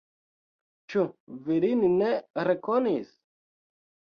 Ĉu vi lin ne rekonis?